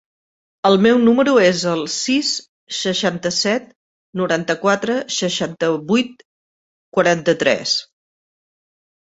El meu número es el sis, seixanta-set, noranta-quatre, seixanta-vuit, quaranta-tres.